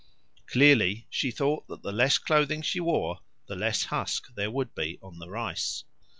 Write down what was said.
Clearly, she thought that the less clothing she wore the less husk there would be on the rice.